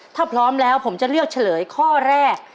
ถ้าพร้อมแล้วผมจะเลือกเฉลยข้อแรก